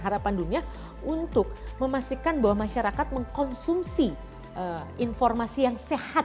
harapan dunia untuk memastikan bahwa masyarakat mengkonsumsi informasi yang sehat